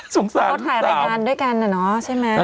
สงสารทุกท่าวเขาก็ถ่ายรายการด้วยกันอะเนอะใช่มั้ย